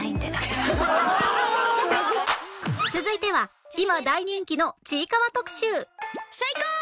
続いては今大人気の『ちいかわ』特集サイコー！！